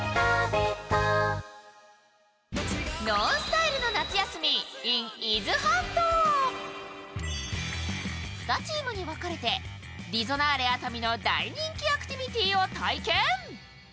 贅沢な香り２チームに分かれてリゾナーレ熱海の大人気アクティビティを体験。